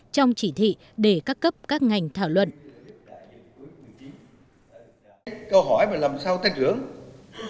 trong chỉ thị để các cấp các ngành thảo luận